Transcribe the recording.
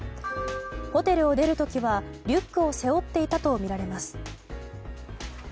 ホテルを出る時はリュックを背負っていたとみられます。